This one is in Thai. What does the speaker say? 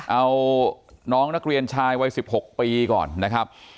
เอาน้องนักเรียนชายวัย๑๖ปีก่อนนะครับ